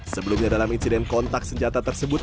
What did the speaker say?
sebelumnya dalam insiden kontak senjata tersebut